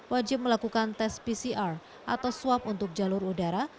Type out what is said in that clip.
wajib melakukan tes pcr atau swab untuk jalur udara